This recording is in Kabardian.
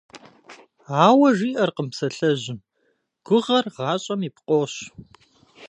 Ауэ жиӏэркъым псалъэжьым: «Гугъэр гъащӏэм и пкъощ».